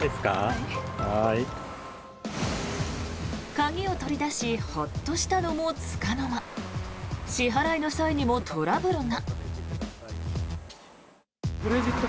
鍵を取り出しホッとしたのもつかの間支払いの際にもトラブルが。